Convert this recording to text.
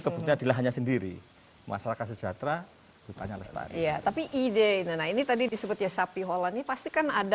kebutuhan di lahannya sendiri masyarakat sejahtera hutannya lestari tapi ide ini tadi disebut ya sapi